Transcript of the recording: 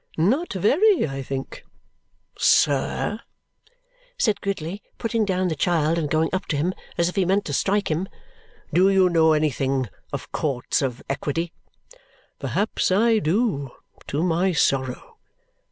"Not very, I think." "Sir," said Gridley, putting down the child and going up to him as if he meant to strike him, "do you know anything of Courts of Equity?" "Perhaps I do, to my sorrow."